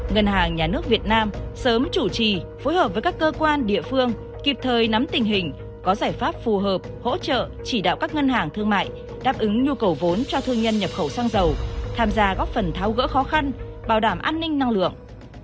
ngân hàng nhà nước việt nam sớm chủ trì phối hợp với các cơ quan địa phương kịp thời nắm tình hình có giải pháp phù hợp hỗ trợ chỉ đạo các ngân hàng thương mại đáp ứng nhu cầu vốn cho thương nhân nhập khẩu xăng dầu tham gia góp phần tháo gỡ khó khăn bảo đảm an ninh năng lượng